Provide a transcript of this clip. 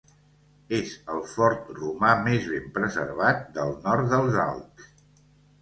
És el fort romà més ben preservat del nord dels Alps.